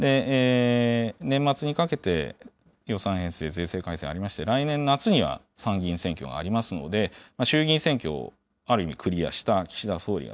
年末にかけて予算編成、税制改正ありまして、来年夏には参議院選挙がありますので、衆議院選挙をある意味クリアした岸田総理が、